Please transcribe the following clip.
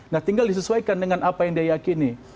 nah tinggal disesuaikan dengan apa yang dia yakini